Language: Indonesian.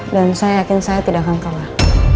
dan saya yakin saya tidak akan kalah